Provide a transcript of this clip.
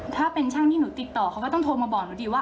ถ้าเป็นช่างที่หนูติดต่อเขาก็ต้องโทรมาบอกหนูดีว่า